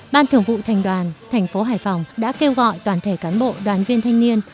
ban thường vụ thành đoàn tp hải phòng đã kêu gọi toàn thể cán bộ đoàn viên thanh niên